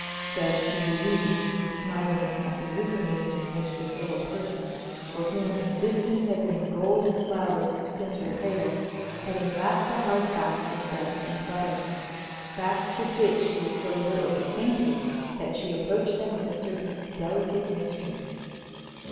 said Julie, smiling at the euphemism in which this little person, for whom existence had rained gold and flowers since her cradle, had enwrapped the hard facts of bread and butter facts with which she was so little acquainted that she approached them with a certain delicate mystery.